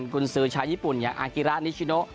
กุญสือชาวญี่ปุ่นอย่างอากิระนิชิโน